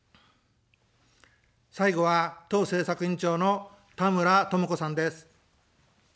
最後は党政策委員長の田村智子さんです。